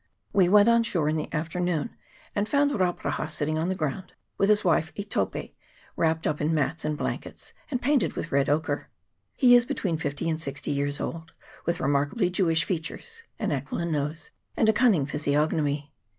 We went on shore in the afternoon, and found Rauparaha sitting on the H 2 100 WARS OF THE [PART I. ground, with his wife Etope, wrapped up in mats and blankets, and painted with red ochre. He is between fifty and sixty years old, with remarkably Jewish features, an aquiline nose, and a cunning physiognomy.